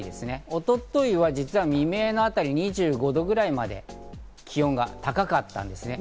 一昨日は実は未明のあたり、２５度ぐらいまで気温が高かったんですね。